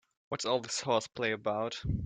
What's all this horseplay about?